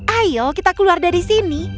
ayo kita keluar dari sini